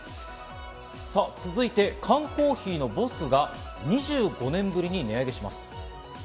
続いては缶コーヒーのボスが２５年ぶりに値上げします。